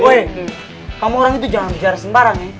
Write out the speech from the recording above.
jadi kamu orang itu jangan bicara sembarang ya